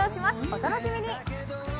お楽しみに。